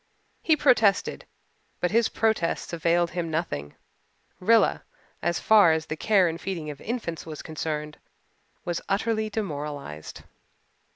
He protested, but his protests availed him nothing. Rilla, as far as the care and feeding of infants was concerned, was utterly demoralized.